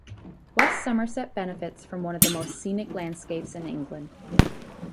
West Somerset benefits from one of the most scenic landscapes in England.